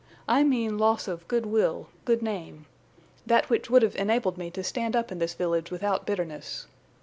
I mean loss of good will, good name—that which would have enabled me to stand up in this village without bitterness.